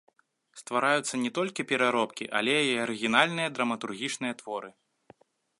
Ствараюцца не толькі пераробкі, але і арыгінальныя драматургічныя творы.